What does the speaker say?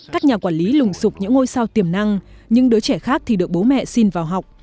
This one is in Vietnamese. các nhà quản lý lùng sụp những ngôi sao tiềm năng những đứa trẻ khác thì được bố mẹ xin vào học